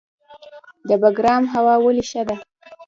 د بګرام هوا ولې ښه ده؟